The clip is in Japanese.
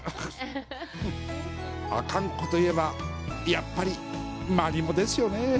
阿寒湖といえばやっぱりマリモですよね。